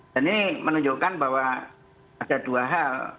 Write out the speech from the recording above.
dan ini menunjukkan bahwa ada dua hal